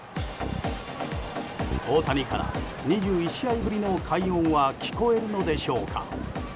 大谷から２１試合ぶりの快音は聞こえるのでしょうか。